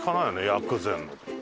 薬膳の。